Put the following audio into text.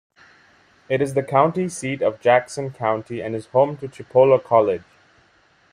It is the county seat of Jackson County and is home to Chipola College.